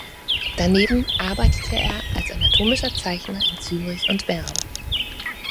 Daneben arbeitete er als anatomischer Zeichner in Zürich und Bern.